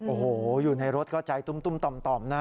โอ้โหอยู่ในรถก็ใจตุ้มต่อมนะ